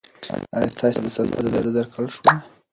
ایا تاسې ته د سفر اجازه درکړل شوه؟